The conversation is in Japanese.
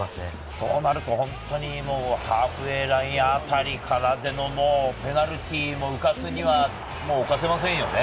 そうなると本当にハーフウェイラインあたりからペナルティーも、うかつには犯せませんね。